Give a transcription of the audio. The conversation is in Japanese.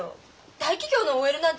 大企業のＯＬなんてね